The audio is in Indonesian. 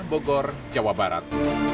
bogor jawa barat